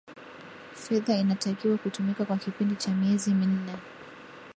fedha inatakiwa kutumika kwa kipindi cha miezi minne